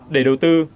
để đầu tư